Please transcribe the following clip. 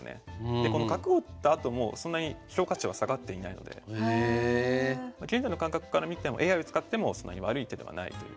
でこの角を打ったあともそんなに現在の感覚から見てもＡＩを使ってもそんなに悪い手ではないという。